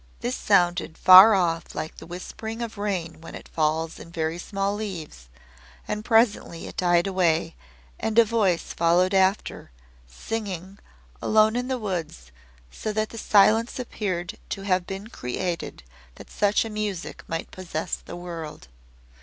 This sounded far off like the whispering of rain when it falls in very small leaves, and presently it died away, and a voice followed after, singing, alone in the woods, so that the silence appeared to have been created that such a music might possess the world.